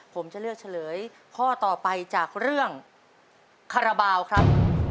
ผมจะเลือกเฉลยข้อต่อไปจากเรื่องคาราบาลครับ